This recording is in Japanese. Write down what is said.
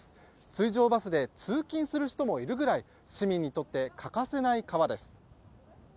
水上バスで通勤する人もいるぐらい市民にとって欠かせない川です。